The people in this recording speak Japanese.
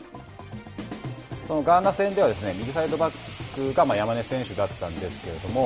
ガーナ戦では右サイドバックが山根選手だったんですけれども。